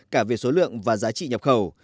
cả về số lượng và giá trị nhập khẩu